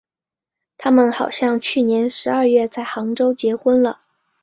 他们好像去年十二月在杭州结婚了。